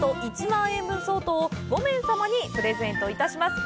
１万円分相当を５名様にプレゼントいたします。